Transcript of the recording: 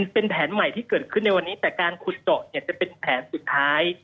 เป็นแผนใหม่ที่เกิดขึ้นในวันนี้แต่การขุดเจาะจะเป็นแผนสุดท้าย